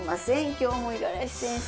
今日も五十嵐先生